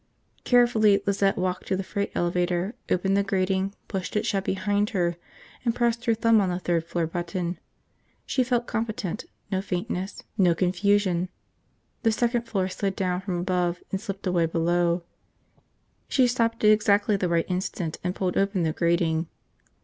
Carefully Lizette walked to the freight elevator, opened the grating, pushed it shut behind her, and pressed her thumb on the third floor button. She felt competent, no faintness, no confusion. The second floor slid down from above and slipped away below. She stopped at exactly the right instant and pulled open the grating.